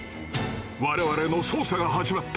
我々の捜査が始まった！